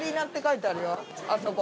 あそこ。